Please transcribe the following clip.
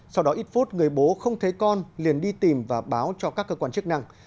sau đó ít phút người bố không thấy con liền đi tìm và báo cho các cơ quan chức năng